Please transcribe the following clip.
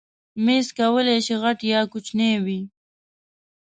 مېز کولی شي غټ یا کوچنی وي.